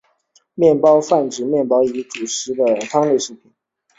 面片汤泛指以面片为主食的汤类食品。